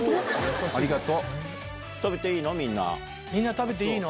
食べていいの？